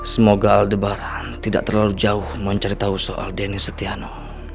semoga aldebaran tidak terlalu jauh mencari tahu soal denny setiano